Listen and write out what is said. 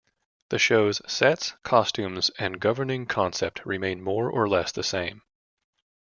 The show's sets, costumes and governing concept remain more or less the same.